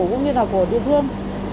cũng như là của địa phương